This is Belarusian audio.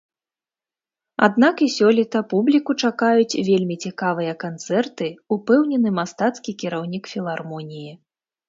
Аднак і сёлета публіку чакаюць вельмі цікавыя канцэрты, упэўнены мастацкі кіраўнік філармоніі.